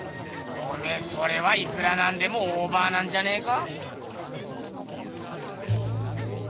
おめえそれはいくらなんでもオーバーなんじゃねえか？